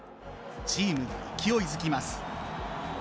チームが勢いづきます。